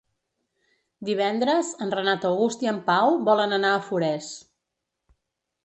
Divendres en Renat August i en Pau volen anar a Forès.